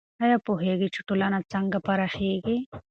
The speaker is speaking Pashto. آیا پوهېږئ چې ټولنه څنګه پراخیږي؟